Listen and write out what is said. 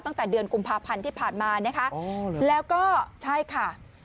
ตั้งแต่เดือนกุมภาพันธ์ที่ผ่านมานะคะแล้วก็ใช่ค่ะ